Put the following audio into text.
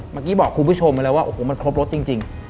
เมื่อกี้บอกคุณผู้ชมไปแล้วว่าโอ้โหมันครบรสจริง